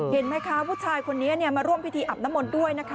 เห็นไหมคะผู้ชายคนนี้มาร่วมพิธีอาบน้ำมนต์ด้วยนะคะ